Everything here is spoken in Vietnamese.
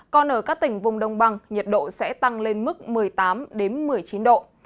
còn ở các tỉnh vùng đông bằng nhiệt độ sẽ tăng lên mức một mươi tám một mươi chín độ